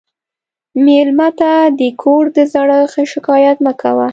مېلمه ته د کور د زړښت شکایت مه کوه.